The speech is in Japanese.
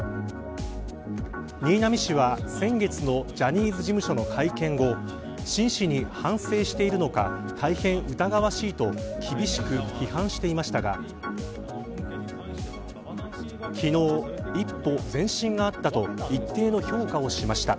新浪氏は、先月のジャニーズ事務所の会見後真摯に反省しているのか大変疑わしいと厳しく批判していましたが昨日、一歩前進があったと一定の評価をしました。